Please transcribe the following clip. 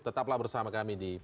tetaplah bersama kami di